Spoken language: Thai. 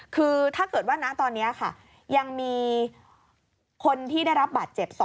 คือถ้าเกิดว่านะตอนนี้ค่ะยังมีคนที่ได้รับบาดเจ็บ๒